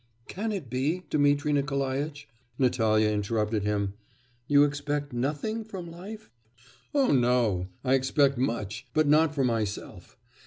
'Can it be, Dmitri Nikolaitch,' Natalya interrupted him, 'you expect nothing from life?' 'Oh, no! I expect much, but not for myself....